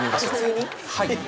はい。